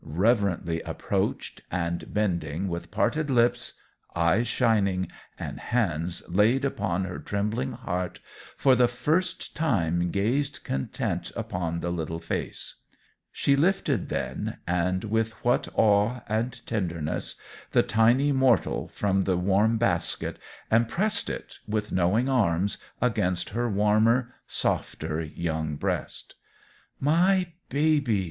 reverently approached, and, bending with parted lips, eyes shining, and hands laid upon her trembling heart, for the first time gazed content upon the little face. She lifted, then and with what awe and tenderness! the tiny mortal from the warm basket, and pressed it, with knowing arms, against her warmer, softer young breast. "My baby!"